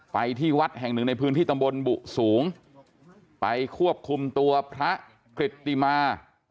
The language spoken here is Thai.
ไปที่วัดแห่งหนึ่งในพื้นที่ตำบลบุสูงไปควบคุมตัวพระกริตติมา